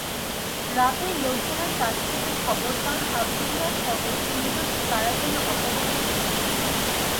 রাতেই লোকজনের কাছ থেকে খবর পান, আবদুল্লাহসহ তিনজনকে কারা যেন অপহরণ করেছে।